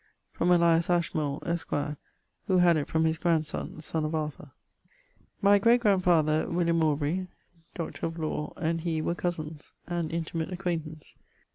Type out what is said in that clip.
from Elias Ashmole, esqre, who had it from his grandsonne (sonne of Arthur). My great grandfather, William Aubrey (LL.Dr.), and he were cosins, and intimate acquaintance.